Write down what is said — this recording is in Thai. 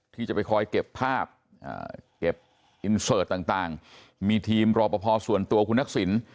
ที่จะไปคอยเก็บภาพเก็บอินเสิร์ตต่างมีทีมรอปภส่วนตัวคุณทักษิณ